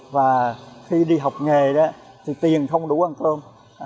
và khi đi học nghề đó thì tiền không đủ ăn cơm